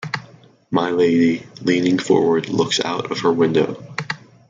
My Lady, leaning forward, looks out of her window.